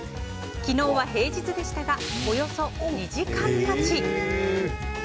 昨日は平日でしたがおよそ２時間待ち。